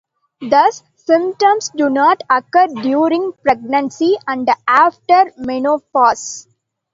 Thus, symptoms do not occur during pregnancy and after menopause.